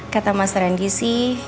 kata mas randy sih